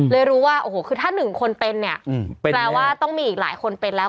รู้ว่าโอ้โหคือถ้าหนึ่งคนเป็นเนี่ยแปลว่าต้องมีอีกหลายคนเป็นแล้ว